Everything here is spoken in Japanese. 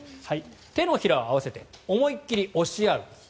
手のひらを合わせて思い切り押し合う。